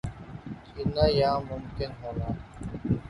جینا ہاں ممکن ہونا